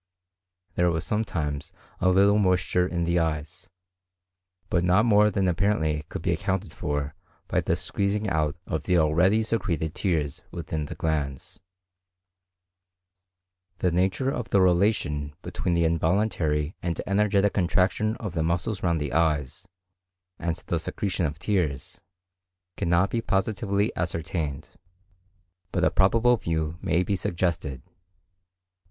There was sometimes a little moisture in the eyes, but not more than apparently could be accounted for by the squeezing out of the already secreted tears within the glands. The nature of the relation between the involuntary and energetic contraction of the muscles round the eyes, and the secretion of tears, cannot be positively ascertained, but a probable view may be suggested.